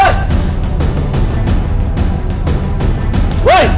tolong jelasin tuduhan anaknya ini